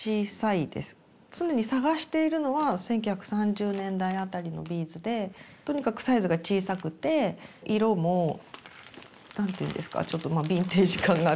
常に探しているのは１９３０年代あたりのビーズでとにかくサイズが小さくて色も何て言うんですかちょっとまあ